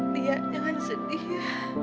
liat jangan sedih ya